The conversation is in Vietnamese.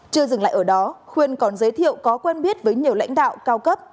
chưa dừng lại ở đó khuyên còn giới thiệu có quen biết với nhiều lãnh đạo cao cấp